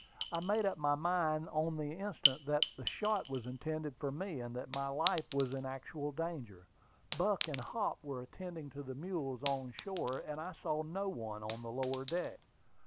I made up my mind on the instant that the shot was intended for me, and that my life was in actual danger. Buck and Hop were attending to the mules on shore, and I saw no one on the lower deck.